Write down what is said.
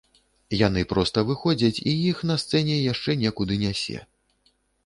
Яны проста выходзяць, і іх на сцэне яшчэ некуды нясе.